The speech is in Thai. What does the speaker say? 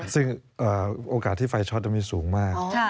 ซึ่งโอกาสที่ไฟช็อตมีสูงมาก